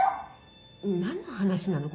何の話なの？